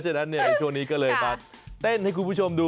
ฉะนั้นในช่วงนี้ก็เลยมาเต้นให้คุณผู้ชมดู